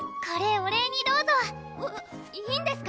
お礼にどうぞいいんですか？